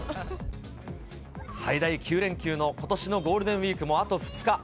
最大９連休のことしのゴールデンウィークも、あと２日。